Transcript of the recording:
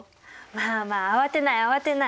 まあまあ慌てない慌てない。